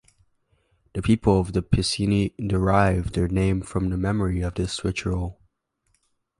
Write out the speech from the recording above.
The people of the Piceni derived their name from the memory of this ritual.